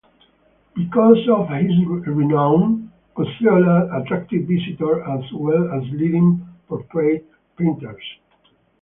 Because of his renown, Osceola attracted visitors as well as leading portrait painters.